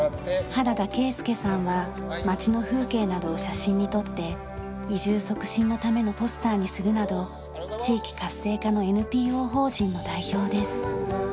原田啓介さんは町の風景などを写真に撮って移住促進のためのポスターにするなど地域活性化のＮＰＯ法人の代表です。